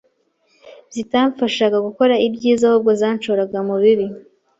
zitamfashaga gukora ibyiza ahubwo zanshoraga mu bibi